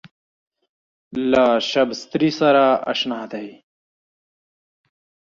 له شبستري سره اشنا دی.